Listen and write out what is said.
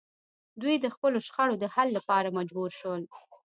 دوی د خپلو شخړو د حل لپاره مجبور شول